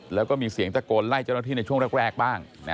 แล้วก็มีเสียงตะโกนไล่เจ้าหน้าที่ในช่วงแรกบ้าง